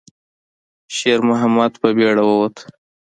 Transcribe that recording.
شېرمحمد په بیړه ووت.